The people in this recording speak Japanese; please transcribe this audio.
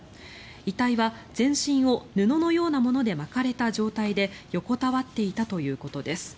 遺体は全身を布のようなもので巻かれた状態で横たわっていたということです。